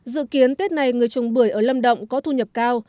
dự kiến tết này người trồng bưởi ở lâm đồng có thu nhập cao